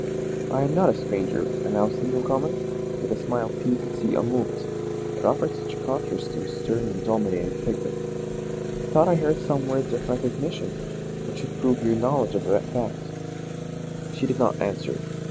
"I am not a stranger," announced the newcomer, with a smile few could see unmoved, it offered such a contrast to his stern and dominating figure. "I thought I heard some words of recognition which would prove your knowledge of that fact." She did not answer.